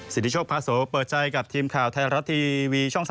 สิทธิโชคพาโสเปิดใจกับทีมข่าวไทยรัฐทีวีช่อง๓๒